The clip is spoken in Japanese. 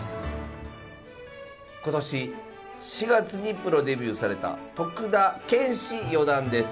今年４月にプロデビューされた徳田拳士四段です。